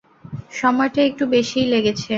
সময়টা একটু বেশিই লেগেছে।